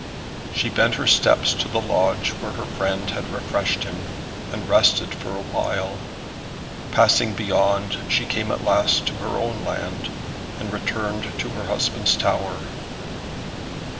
She bent her steps to the lodge where her friend had refreshed him, and rested for awhile. Passing beyond she came at last to her own land, and returned to her husband's tower.